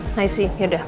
nah isi yaudah